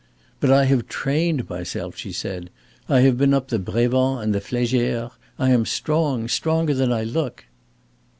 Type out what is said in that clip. "But I have trained myself," she said. "I have been up the Brévent and Flégère. I am strong, stronger than I look."